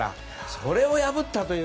それを破ったという。